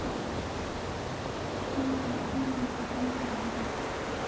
柿田川流经町内。